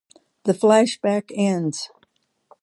The flashback ends.